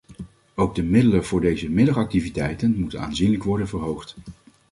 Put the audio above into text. Ook de middelen voor deze middagactiviteiten moeten aanzienlijk worden verhoogd.